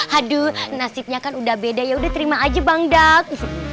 aduh nasibnya kan udah beda yaudah terima aja bang dok